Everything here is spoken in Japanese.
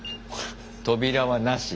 扉はなし？